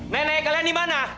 nenek kalian di mana